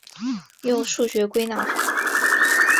用数学归纳法。